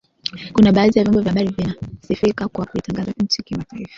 kuna baadhi ya vyombo vya habari vinasifika kwa kuitangaza nchi kimataifa